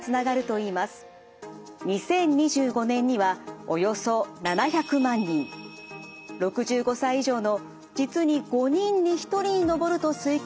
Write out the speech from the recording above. ２０２５年にはおよそ７００万人６５歳以上の実に５人に１人に上ると推計される認知症。